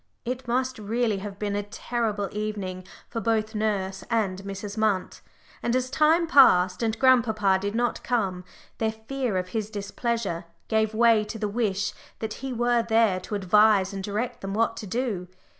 It must really have been a terrible evening for both nurse and Mrs. Munt; and as time passed and grandpapa did not come, their fear of his displeasure gave way to the wish that he were there to advise and direct them what to do.